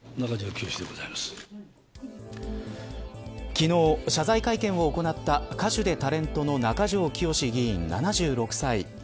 昨日、謝罪会見を行った歌手でタレントの中条きよし議員、７６歳。